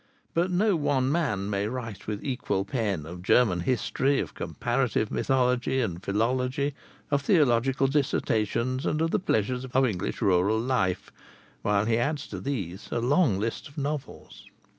But no one man may write with equal pen of German history, of comparative mythology and philology, of theological dissertations, and of the pleasures of English rural life, while he adds to these a long list of novels.